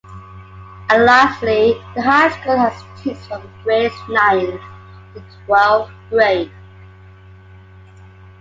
And lastly the high school has teens from grades ninth to twelfth grade.